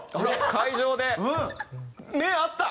会場で！